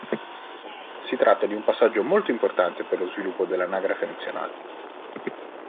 Si tratta di un passaggio molto importante per lo sviluppo dell'anagrafe nazionale.